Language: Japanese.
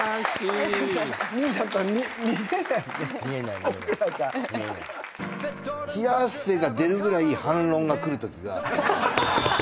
冷や汗が出るぐらい反論が来るときが。